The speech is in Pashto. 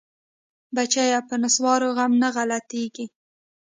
بچيه په نسوارو غم نه غلطيګي.